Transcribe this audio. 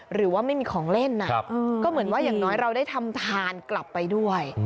หรือว่าไม่มีของเล่นก็เหมือนว่าอย่างน้อยเราได้ทำทานกลับไปด้วย